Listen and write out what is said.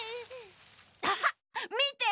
アハッみて！